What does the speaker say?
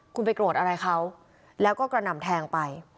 คุณไปโกรธอะไรเขาแล้วก็กระหน่ำแทงไป